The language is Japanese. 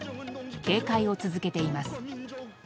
警戒を続けています。